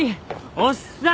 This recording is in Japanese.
おっさん！